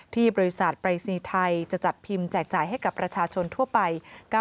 ที่บริษัทปรายศนีย์ไทยจะจัดพิมพ์แจกจ่ายให้กับประชาชนทั่วไป